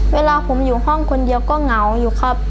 เวลาผมอยู่ห้องคนเดียวก็เหงาอยู่ครับ